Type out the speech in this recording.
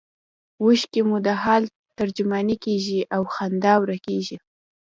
اوښکې مو د حال ترجمانې کیږي او خندا ورکیږي